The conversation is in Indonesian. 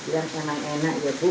yang enak enak ya bu